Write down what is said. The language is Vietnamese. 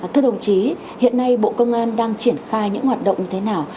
thưa đồng chí hiện nay bộ công an đang triển khai những hoạt động như thế nào